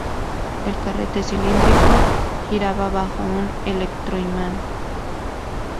El carrete cilíndrico giraba bajo un electroimán.